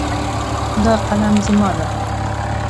دا قلم زما ده